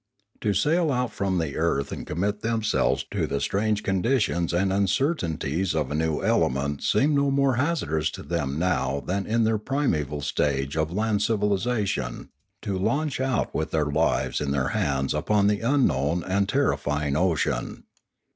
To sail out from the earth and commit themselves to the strange conditions and uncertainties of a new element seemed no more hazardous to them now than in their primeval stage of land civilisation to launch out with their lives in their hands upon the unknown and terri fying ocean.